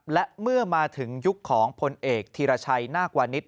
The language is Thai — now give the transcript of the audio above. และเมื่อมาถึงยุคของพลเอกธีรชัยนาควานิส